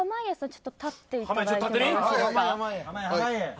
ちょっと立っていただいて。